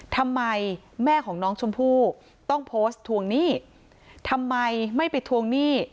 ทำไมแม่ของน้องชมพู่ต้องโพสต์ทวงหนี้ทำไมไม่ไปทวงหนี้